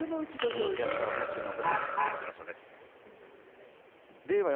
その悔しさを持って臨む今場所です。